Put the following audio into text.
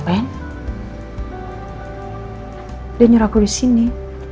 dia nyuruh aku di sini